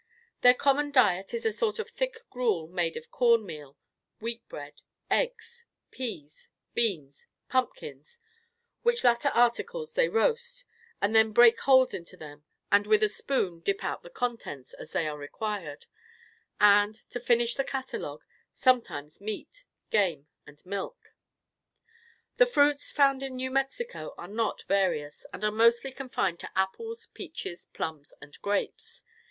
Their common diet is a sort of thick gruel made of corn meal, wheat bread, eggs, peas, beans, pumpkins, which latter articles they roast, and then break holes into them and with a spoon dip out the contents as they are required; and, to finish the catalogue, sometimes meat, game and milk. The fruits found in New Mexico are not various, and are mostly confined to apples, peaches, plums and grapes.